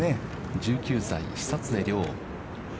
１９歳、久常涼。